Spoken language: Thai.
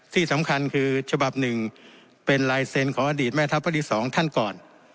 ที่สำคัญคือฉบับหนึ่งเป็นลายเซ็นต์ของอดีตแม่ทัพภาคที่๒ท่านก่อน